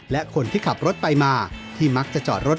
และคนที่ขับรถไปมาที่มักจะจอดรถ